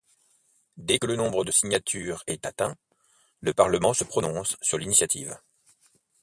Dès que le nombre de signatures est atteint, le Parlement se prononce sur l'initiative.